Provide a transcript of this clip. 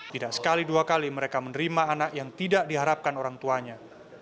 tidak sekali dua kali mereka menerima anak yang tidak diharapkan orang tuanya